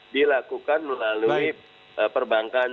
dilakukan melalui perbankan